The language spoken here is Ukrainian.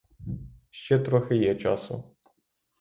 Ще трохи є часу.